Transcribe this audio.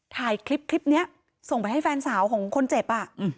ถ่ายคลิปนี้ส่งไปให้แฟนสาวของคนเจ็บ